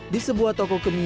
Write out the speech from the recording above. di sebuah toko kemia